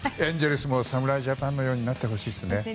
エンゼルスも侍ジャパンのようになってほしいですね。